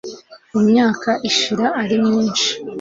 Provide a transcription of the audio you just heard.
imyaka ishira ari myinshi